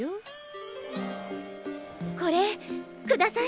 これください。